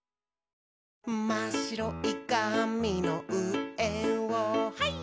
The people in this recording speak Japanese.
「まっしろいかみのうえをハイ！」